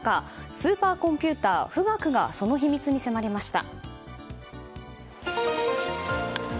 スーパーコンピューター「富岳」がその秘密に迫りました。